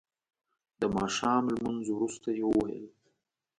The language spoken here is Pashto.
د ماښام لمونځ وروسته یې وویل.